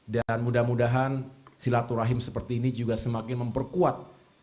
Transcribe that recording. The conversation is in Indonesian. dan mudah mudahan silaturahim seperti ini juga semakin memperkuat